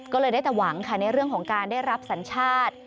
ก็เลยได้แต่หวังค่ะในเรื่องของการได้รับสัญชาติ